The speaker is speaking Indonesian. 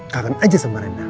kangen aja sama rena